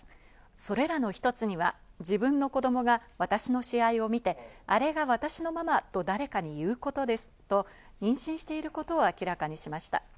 それらの一つには自分の子供が私の試合を見て、あれが私のママと誰かに言うことですと、妊娠していることを明らかにしました。